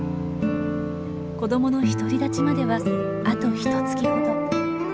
子どもの独り立ちまではあとひとつきほど。